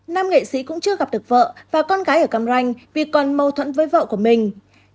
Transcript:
nam nghệ sĩ cũng chưa gặp được vợ và con gái ở cam ranh vì còn mâu thuẫn với vợ của mình